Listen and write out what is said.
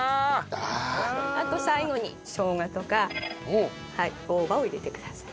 あと最後にしょうがとか大葉を入れてください。